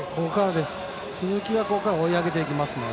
鈴木はここから追い上げていきますので。